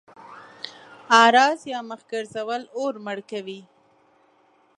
اعراض يا مخ ګرځول اور مړ کوي.